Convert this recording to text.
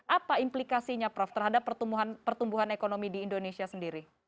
apa implikasinya prof terhadap pertumbuhan ekonomi di indonesia sendiri